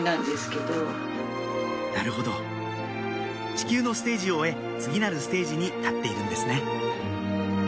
なるほど地球のステージを終え次なるステージに立っているんですね